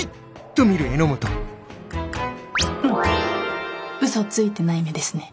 うん嘘ついてない目ですね。